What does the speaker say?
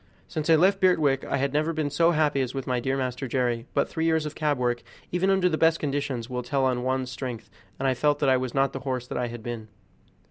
Since I left Birtwick I had never been so happy as with my dear master Jerry; but three years of cab work, even under the best conditions, will tell on one's strength, and I felt that I was not the horse that I had been.